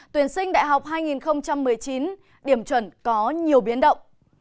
tuyển sinh đại học hai nghìn một mươi chín điểm chuẩn có nhiều biến động